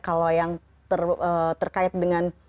kalau yang terkait dengan